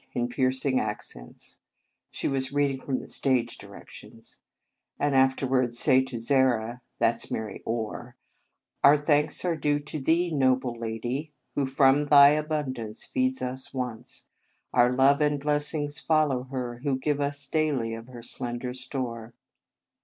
in piercing accents" (she was reading from the stage direc tions), "and afterwards say to Zara, that s Mary Orr, Our thanks are due to thee, noble lady, who from thy abundance feeds us once. Our love and blessings follow her who gave us daily of her slender store.